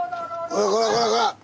こらこらこらこら！